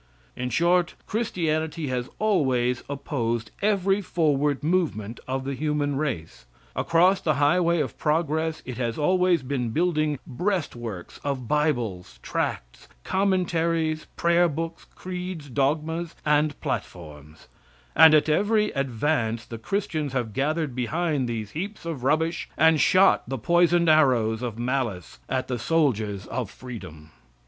In short, Christianity has always opposed every forward movement of the human race. Across the highway of progress it has always been building breastworks of bibles, tracts, commentaries, prayerbooks, creeds, dogmas and platforms, and at every advance the Christians have gathered behind these heaps of rubbish and shot the poisoned arrows of malice at the soldiers of freedom.